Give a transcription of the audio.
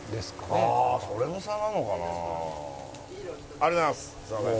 ありがとうございます。